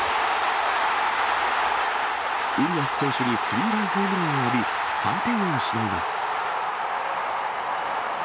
ウリアス選手にスリーランホームランを浴び、３点を失います。